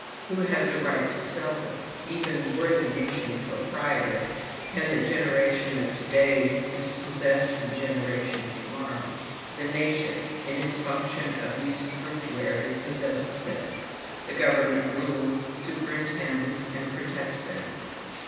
Who has a right to sell them? Even were the nation proprietor, can the generation of to day dispossess the generation of to morrow? The nation, in its function of usufructuary, possesses them; the government rules, superintends, and protects them.